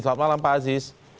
selamat malam pak aziz